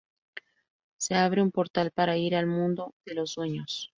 Se abre un portal para ir al Mundo de los Sueños.